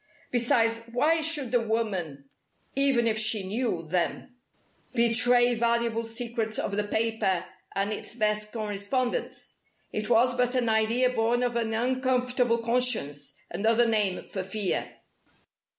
Besides, why should the woman even if she knew them betray valuable secrets of the paper and its best correspondents? It was but an idea born of an uncomfortable conscience another name for fear.